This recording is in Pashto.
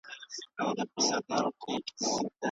که غواړې چې ویده شې، زه به چپ پاتې شم.